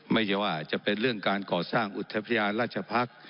ไม่ใช่ว่าจะเป็นเรื่องการก่อสร้างอุทยานราชพักษ์